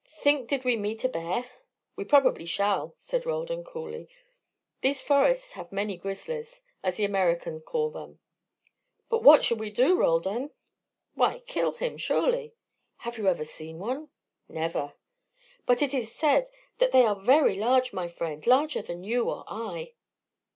"Think did we meet a bear?" "We probably shall," said Roldan, coolly. "These forests have many 'grizzlies,' as the Americans call them." "But what should we do, Roldan?" "Why, kill him, surely." "Have you ever seen one?" "Never." "But it is said that they are very large, my friend, larger than you or I."